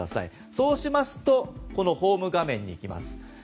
そうしますとこのホーム画面に行きます。